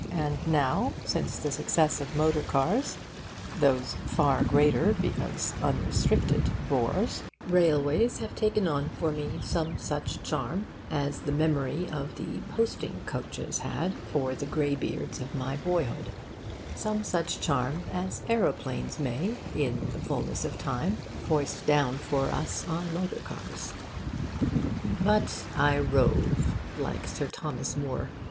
And now, since the success of motor cars (those far greater, because unrestricted, bores), railways have taken on for me some such charm as the memory of the posting coaches had for the greybeards of my boyhood, some such charm as aeroplanes may in the fulness of time foist down for us on motor cars. 'But I rove,' like Sir Thomas More.